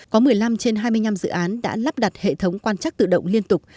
có một mươi năm trên hai mươi năm dự án đã lắp đặt hệ thống quan chắc tự động liên tục